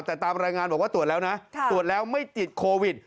แต่ตามรายงานบอกว่าตรวจแล้วนะตรวจแล้วไม่ติดโควิด